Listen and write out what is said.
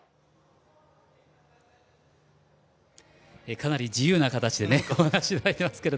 かなり自由な形でお話いただいてますけど。